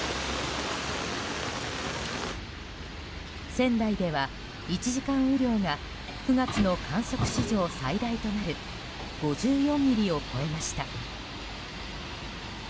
仙台では、１時間雨量が９月の観測史上最大となる５４ミリを超えました。